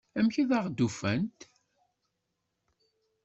Amek ay aɣ-d-ufant?